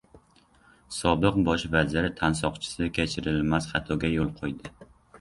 Sobiq bosh vazir tansoqchisi kechirilmas xatoga yo‘l qo‘ydi